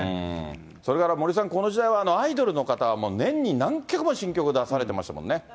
それから森さん、この時代はアイドルの方、年に何曲も新曲出されてましたもんね。